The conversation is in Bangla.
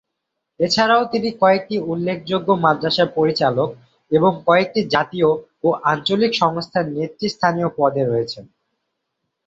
এছাড়াও তিনি কয়েকটি উল্লেখযোগ্য মাদ্রাসার পরিচালক এবং কয়েকটি জাতীয় ও আঞ্চলিক সংস্থার নেতৃস্থানীয় পদে রয়েছেন।